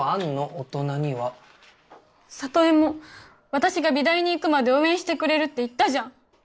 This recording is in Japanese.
私が美大に行くまで応援してくれるって言ったじゃん。